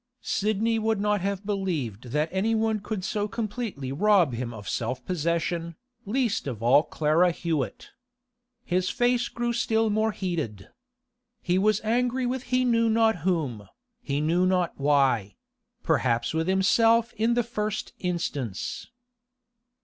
Sidney would not have believed that anyone could so completely rob him of self possession, least of all Clara Hewett. His face grew still more heated. He was angry with he knew not whom, he knew not why—perhaps with himself in the first instance.